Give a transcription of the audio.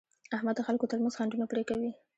احمد د خلکو ترمنځ خنډونه پرې کوي.